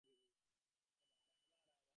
এর মধ্যে ভাববার অত কী কথা আছে?